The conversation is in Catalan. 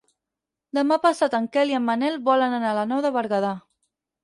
Demà passat en Quel i en Manel volen anar a la Nou de Berguedà.